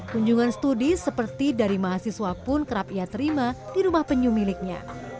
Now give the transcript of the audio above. kunjungan studi seperti dari mahasiswa pun kerap ia terima di rumah penyu miliknya